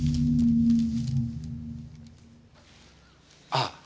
ああ！